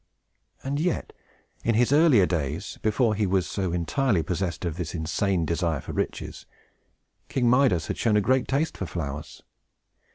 And yet, in his earlier days, before he was so entirely possessed of this insane desire for riches, King Midas had shown a great taste for flowers.